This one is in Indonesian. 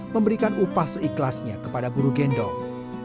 memberikan upah seikhlasnya kepada buru gendong